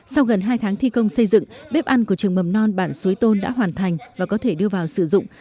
sau gần hai tháng thi công xây dựng bếp ăn của trường mầm non bản xuối tôn đã hoàn thành và có thể đưa vào sử dụng